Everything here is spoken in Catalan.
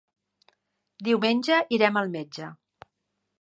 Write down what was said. Diumenge irem al metge.